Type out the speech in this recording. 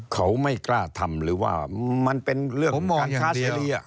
เขาไม่กล้าทำหรือว่ามันเป็นเรื่องการฆ่าเสรี